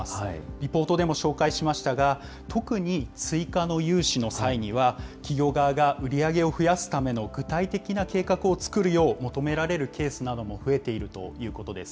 リポートでも紹介しましたが、特に追加の融資の際には、企業側が売り上げを増やすための具体的な計画を作るよう求められるケースなども増えているということです。